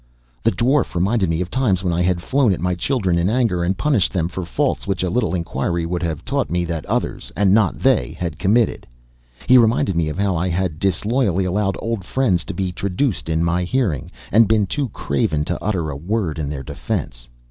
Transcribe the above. The dwarf reminded me of times when I had flown at my children in anger and punished them for faults which a little inquiry would have taught me that others, and not they, had committed. He reminded me of how I had disloyally allowed old friends to be traduced in my hearing, and been too craven to utter a word in their defense.